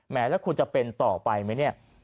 แล้วคุณจะเป็นต่อไปไหมเนี่ย